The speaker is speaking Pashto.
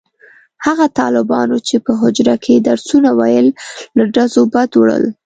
هغه طالبانو چې په حجره کې درسونه ویل له ډزو بد وړل.